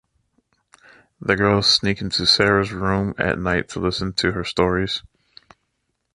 The girls sneak into Sarah's room at night to listen to her stories.